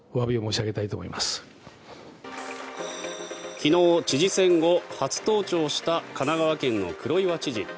昨日、知事選後初登庁した神奈川県の黒岩知事。